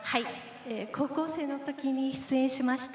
高校生のときに出演しました